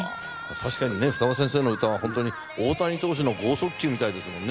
確かにね二葉先生の歌はホントに大谷投手の剛速球みたいですもんね。